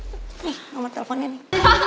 nih nomor teleponnya nih